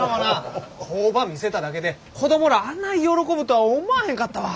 工場見せただけで子供らあない喜ぶとは思わへんかったわ。